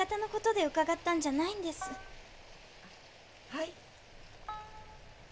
はい？